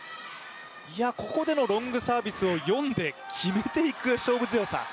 ここでのロングサービスを読んで決めていく勝負強さ。